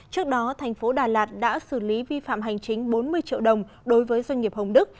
trước đó thành phố đà lạt đã xử lý vi phạm hành chính bốn mươi triệu đồng đối với doanh nghiệp hồng đức